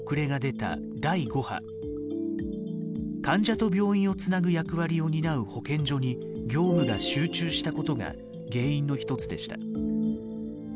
患者と病院をつなぐ役割を担う保健所に業務が集中したことが原因の一つでした。